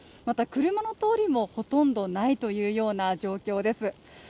また車の通りもほとんどないというような状況です。